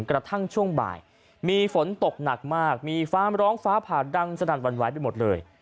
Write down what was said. กระทั่งช่วงบ่ายมีฝนตกหนักมากมีฟ้ามร้องฟ้าผ่าดังสนั่นวันไหวไปหมดเลย